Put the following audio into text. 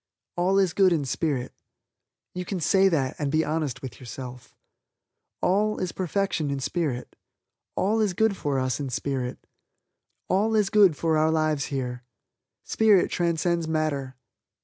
All is Good in spirit. You can say that and be honest with yourself. All is perfection in spirit. All is good for us in spirit. All is good for our lives here. Spirit transcends matter.